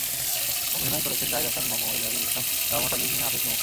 অভিনয় করেছেন জাহিদ হাসান, মম, এজাজুল ইসলাম, রহমত আলী, হিমে হাফিজ প্রমুখ।